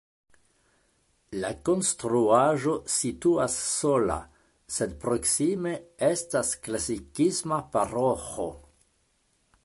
La konstruaĵo situas sola, sed proksime estas klasikisma paroĥo.